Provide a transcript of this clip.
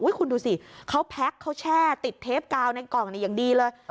คุณดูสิเขาแพ็คเขาแช่ติดเทปกาวในกล่องอย่างดีเลย